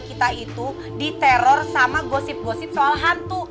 kita itu diteror sama gosip gosip soal hantu